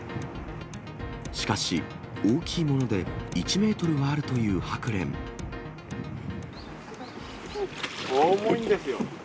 しかし、大きいもので１メートル重いんですよ。